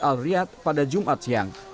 al riyad pada jumat siang